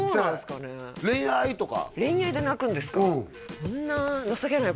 恋愛とか？